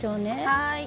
はい。